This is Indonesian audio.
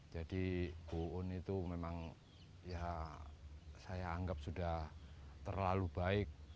jadi bu un itu memang ya saya anggap sudah terlalu baik